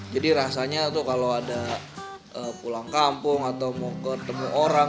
jadi rasanya kalau ada pulang kampung atau mau ketemu orang